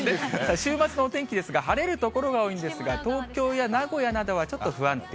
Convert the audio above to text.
週末のお天気なんですが、晴れる所が多いんですが、東京や名古屋などはちょっと不安定。